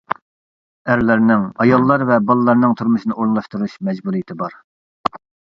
ئەرلەرنىڭ ئاياللار ۋە بالىلارنىڭ تۇرمۇشىنى ئورۇنلاشتۇرۇش مەجبۇرىيىتى بار.